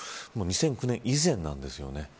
２００９年以前なんですよね。